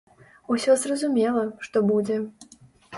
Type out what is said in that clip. Усё зразумела, што будзе!